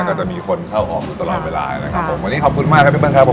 ก็จะมีคนเข้าออกอยู่ตลอดเวลานะครับผมวันนี้ขอบคุณมากครับพี่เปิ้ครับผม